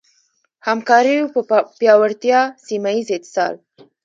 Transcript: همکاریو پر پیاوړتیا ، سيمهييز اتصال